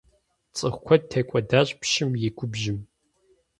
ЦӀыху куэд текӀуэдащ пщым и губжьым.